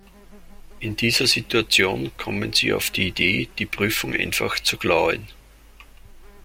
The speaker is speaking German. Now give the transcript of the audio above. In dieser Situation kommen sie auf die Idee, die Prüfung einfach zu klauen.